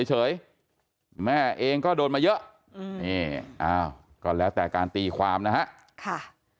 เฉยแม่เองก็โดนมาเยอะนี่อ้าวก็แล้วแต่การตีความนะฮะ